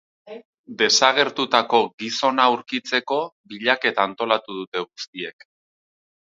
Desagertutako gizona aurkitzeko bilaketa antolatu dute guztiek.